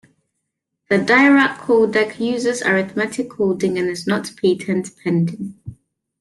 The Dirac codec uses arithmetic coding and is not patent pending.